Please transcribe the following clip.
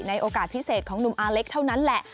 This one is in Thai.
โอกาสพิเศษของหนุ่มอาเล็กเท่านั้นแหละ